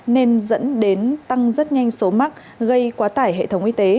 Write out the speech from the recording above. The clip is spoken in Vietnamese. nên dẫn đến tăng rất nhanh số mắc gây quá tải hệ thống y tế